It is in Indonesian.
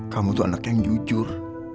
kamu tuh anaknya yang jujur